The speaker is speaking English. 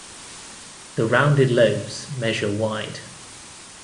The rounded lobes measure wide.